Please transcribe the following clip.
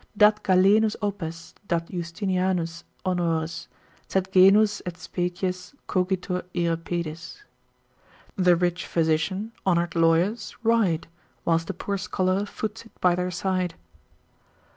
Dat Galenus opes, dat Justinianus honores, Sed genus et species cogitur ire pedes: The rich physician, honour'd lawyers ride, Whilst the poor scholar foots it by their side.